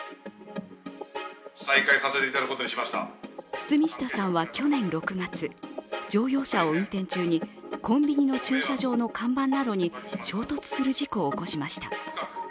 堤下さんは去年６月、乗用車を運転中にコンビニの駐車場の看板などに衝突する事故を起こしました。